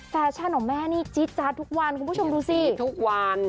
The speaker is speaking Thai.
แฟชั่นของแม่นี่จี๊ดจัดทุกวันคุณผู้ชมดูสิพฎเยสซีทุกวัน